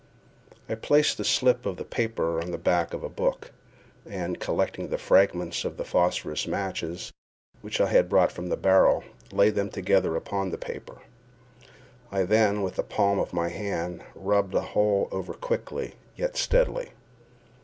I placed the slip of paper on the back of a book, and, collecting the fragments of the phosphorus matches which I had brought from the barrel, laid them together upon the paper. I then, with the palm of my hand, rubbed the whole over quickly, yet steadily.